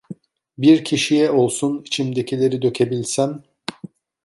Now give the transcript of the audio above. Bir kişiye olsun içimdekileri dökebilsem.